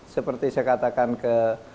seperti saya katakan ke